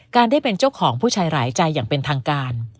ได้เป็นเจ้าของผู้ชายหลายใจอย่างเป็นทางการ